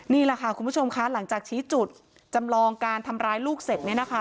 นี่แหละค่ะคุณผู้ชมคะหลังจากชี้จุดจำลองการทำร้ายลูกเสร็จเนี่ยนะคะ